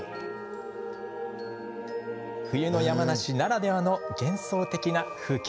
冬の山梨ならではの幻想的な風景。